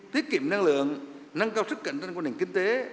tiết kiệm năng lượng nâng cao sức cạnh tranh của nền kinh tế